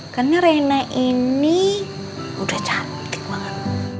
karena rina ini udah cantik banget